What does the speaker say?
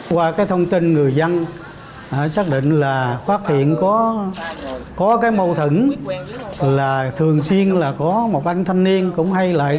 qua cái thông tin người dân xác định là phát hiện có cái mâu thuẫn là thường xuyên là có một anh thanh niên cũng hay loại nhà